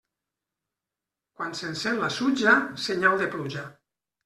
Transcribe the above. Quan s'encén la sutja, senyal de pluja.